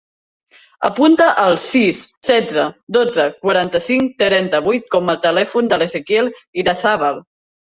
Apunta el sis, setze, dotze, quaranta-cinc, trenta-vuit com a telèfon de l'Ezequiel Irazabal.